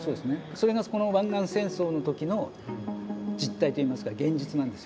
それがこの湾岸戦争の時の実態といいますか現実なんですよね。